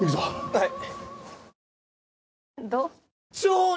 はい！